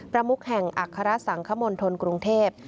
ประมุกแห่งอัครสังคมลทนกรุงเทพ